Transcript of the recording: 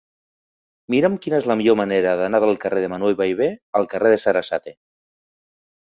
Mira'm quina és la millor manera d'anar del carrer de Manuel Ballbé al carrer de Sarasate.